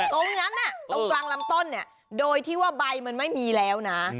ตรงนั้นตรงกลางลำต้นเนี่ยโดยที่ว่าใบมันไม่มีแล้วนะ